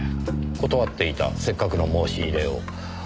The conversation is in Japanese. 断っていたせっかくの申し入れを。